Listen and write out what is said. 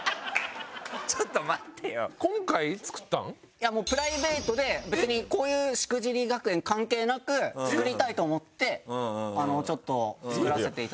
いやもうプライベートで別にこういう「しくじり学園」関係なく作りたいと思ってちょっと作らせて頂きました。